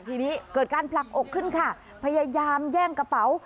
ทีนี้เกิดการผลักอกขึ้นค่ะพยายามแย่งกระเป๋า